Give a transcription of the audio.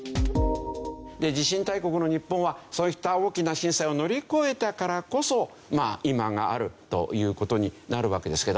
地震大国の日本はそういった大きな震災を乗り越えたからこそまあ今があるという事になるわけですけど。